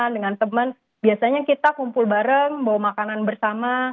dengan teman biasanya kita kumpul bareng bawa makanan bersama